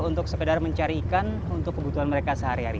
untuk sekedar mencari ikan untuk kebutuhan mereka sehari hari